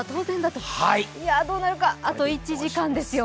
どうなるか、あと１時間ですよ。